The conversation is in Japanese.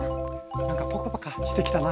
何かポカポカしてきたな！